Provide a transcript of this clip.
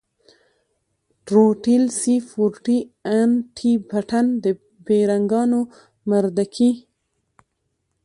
ټروټيل سي فور ټي ان ټي پټن د بېرنگانو مردکي.